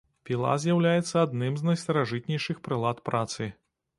Піла з'яўляецца адным з найстаражытнейшых прылад працы.